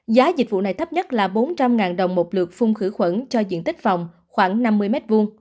giá dịch vụ này thấp nhất là bốn trăm linh đồng một lượt phun khử khuẩn cho diện tích phòng khoảng năm mươi m hai